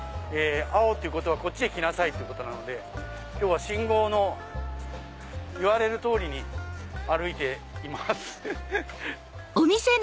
青ってことはこっちへ来なさいってことなので今日は信号のいわれる通りに歩いています。